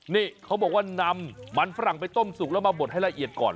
นี่เขาบอกว่านำมันฝรั่งไปต้มสุกแล้วมาบดให้ละเอียดก่อน